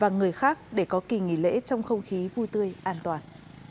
và người khác để có kỳ nghỉ lễ trong không khí vui tươi an toàn